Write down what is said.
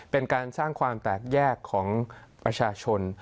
เป็นการสร้างความแตกแยกของประชาชน